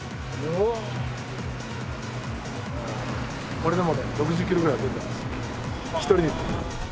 これでもうね６０キロぐらい出てるんですよ。